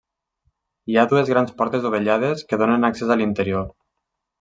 Hi ha dues grans portes dovellades que donen accés a l'interior.